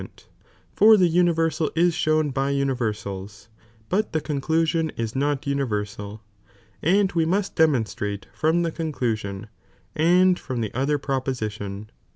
Aeat, for the universal is shown by universale, , but the cooclusion is not universal, and we must denunutTBie from the conclusion, and froni the other proposi I tion.